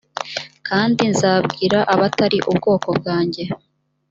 kandi nzabwira abatari ubwoko bwanjye